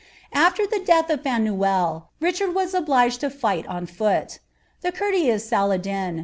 AFler the death of Fanuelle, Richard wa^ obliges! to figlit on foot. Thf »urteous Saladin.